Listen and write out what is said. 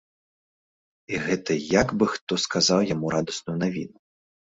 І гэта як бы хто сказаў яму радасную навіну.